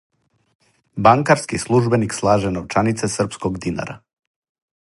Банкарски службеник слаже новчанице српског динара.